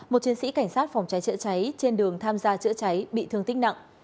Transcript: một chiến sĩ cảnh sát phòng cháy chữa cháy trên đường tham gia chữa cháy bị thương tích nặng